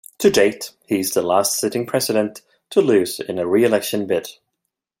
To date, he is the last sitting president to lose in a re-election bid.